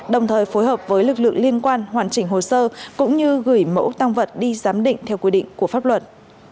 đồng thời phối hợp với lực lượng liên quan hoàn chỉnh hồ sơ cũng như gửi mẫu tăng vật đi giám định theo quy định của pháp luật